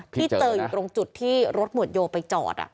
ที่เจออยู่ตรงจุดที่รถหมวดโยไปจอด